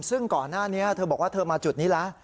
ซึ่งก่อนหน้านี้เธอบอกว่าเธอมาจุดนี้แล้ว